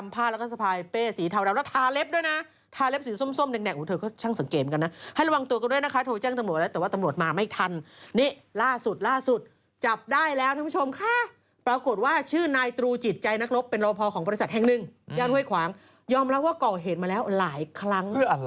เพราะว่าก่อเหตุมาแล้วหลายครั้ง